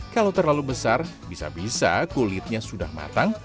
kalau terlalu besar bisa bisa kulitnya sudah matang